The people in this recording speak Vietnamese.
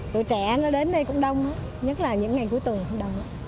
tuổi trẻ nó đến đây cũng đông nhất là những ngày cuối tuần đông